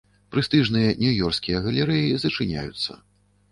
Прэстыжныя нью-ёрскія галерэі зачыняюцца.